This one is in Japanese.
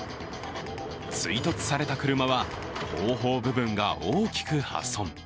追突された車は後方部分が大きく破損。